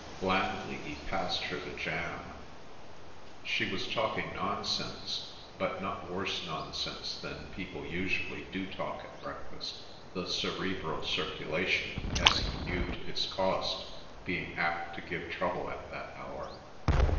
Blandly he passed her the jam. She was talking nonsense, but not worse nonsense than people usually do talk at breakfast, the cerebral circulation, as he knew to his cost, being apt to give trouble at that hour.